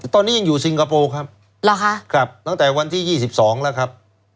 ตอนนี้ยังอยู่ซิงคโปร์ครับหรอคะครับตั้งแต่วันที่๒๒แล้วครับ